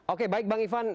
oke baik bang ivan